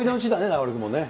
中丸君も。